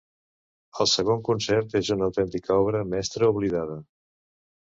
El segon concert és una autèntica obra mestra oblidada.